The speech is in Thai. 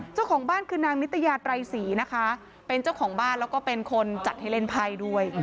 เจ้าของบ้านคือนางนิตยาไตรศรีนะคะเป็นเจ้าของบ้านแล้วก็เป็นคนจัดให้เล่นไพ่ด้วย